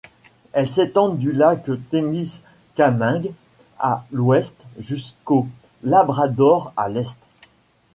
Elles s’étendent du lac Témiscamingue à l'ouest jusqu'au Labrador à l'est.